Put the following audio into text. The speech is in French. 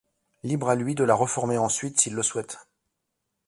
Libre à lui de la reformer ensuite s'il le souhaite.